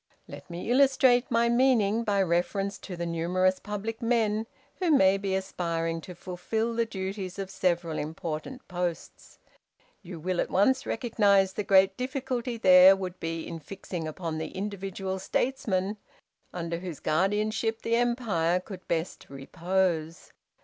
"Let me illustrate my meaning by reference to the numerous public men who may be aspiring to fulfil the duties of several important posts. You will at once recognize the great difficulty there would be in fixing upon the individual statesman under whose guardianship the empire could best repose.